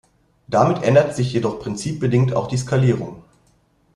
Damit ändert sich jedoch prinzipbedingt auch die Skalierung.